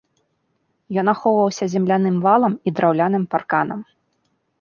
Ён ахоўваўся земляным валам і драўляным парканам.